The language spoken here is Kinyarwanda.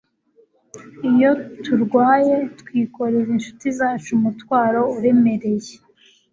iyo turwaye, twikoreza inshuti zacu umutwaro uremereye